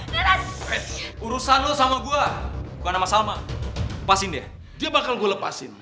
datang urusan lu sama gua bukan sama salma pasin dia dia bakal gue lepasin